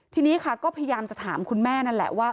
ทีนี้ค่ะก็พยายามจะถามคุณแม่นั่นแหละว่า